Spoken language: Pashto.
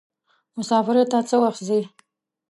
مسافری ته څه وخت ځئ.